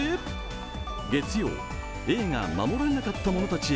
月曜、映画「護られなかった者たちへ」